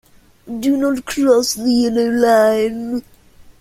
Do not cross the yellow line.